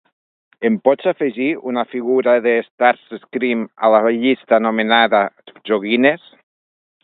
Em pots afegir una figura de Starscream a la llista anomenada "Joguines"?